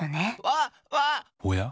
おや？